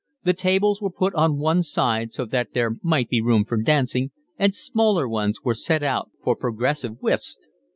The tables were put on one side so that there might be room for dancing, and smaller ones were set out for progressive whist.